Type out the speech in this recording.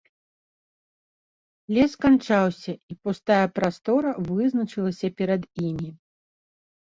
Лес канчаўся, і пустая прастора вызначылася перад імі.